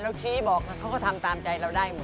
ชี้บอกเขาก็ทำตามใจเราได้หมด